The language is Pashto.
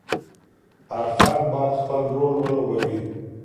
هر فرد باید خپل رول ولوبوي.